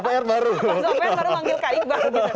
pasal opr baru manggil kak iqbal gitu